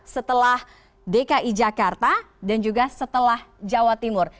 setelah dki jakarta dan juga setelah jawa timur